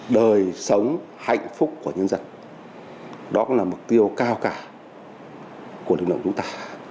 đó là mục tiêu cao cả của lực lượng chúng ta